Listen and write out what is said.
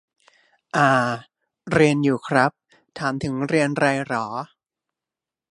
อ่า เรียนอยู่ครับ ถามถึงเรียนไรเหรอ ?